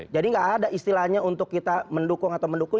jadi tidak ada istilahnya untuk kita mendukung atau mendukung